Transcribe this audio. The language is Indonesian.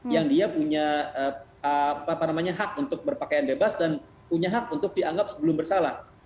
yang dia punya hak untuk berpakaian bebas dan punya hak untuk dianggap sebelum bersalah